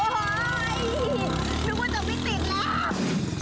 นึกว่าจะไม่ติดแล้ว